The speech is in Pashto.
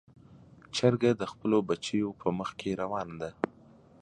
چرګه د خپلو بچیو په مخ کې روانه ده.